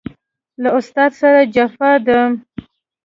له استاد سره جفا ده